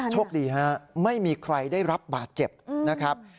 โชคดีฮะไม่มีใครได้รับบาดเจ็บนะครับ